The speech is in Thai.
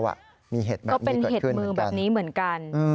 ก็เป็นเห็ดมือแบบนี้เหมือนกัน